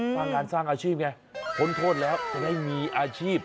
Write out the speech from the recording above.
สร้างงานสร้างอาชีพไงพ้นโทษแล้วจะได้มีอาชีพ